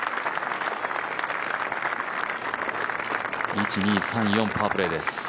１、２、３、４、パープレーです。